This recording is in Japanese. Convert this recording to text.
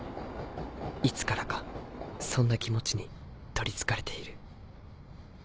いつからかそんな気持ちに取り憑かれている。